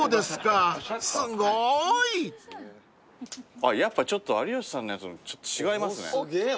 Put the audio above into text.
あっやっぱちょっと有吉さんのやつ違いますね。